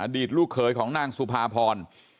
ตลูกเขยของนางสุภาพร